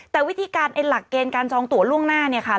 แต่วิธีการหลักเกณฑ์การจองตัวล่วงหน้าเนี่ยค่ะ